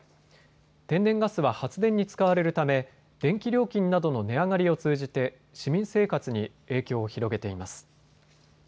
天然ガスは発電に使われるため電気料金などの値上がりを通じて市民生活に影響を広げています。